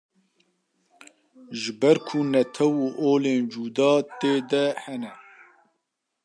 Ji ber ku netew û olên cuda tê de hene.